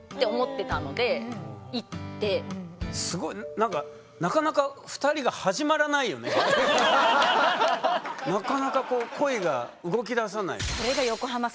すごいなんかなかなか恋が動きださない。